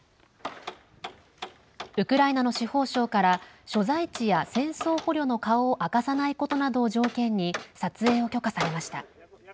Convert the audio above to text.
ウクライナの司法省から所在地や戦争捕虜の顔を明かさないことなどを条件に撮影を許可されました。